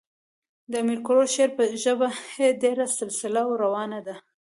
د امیر کروړ شعر ژبه ئي ډېره سلیسه او روانه ده.